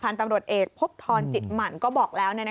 ตำรวจเอกพบทรจิตหมั่นก็บอกแล้ว